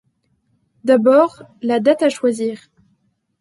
D'abord, la date à choisir.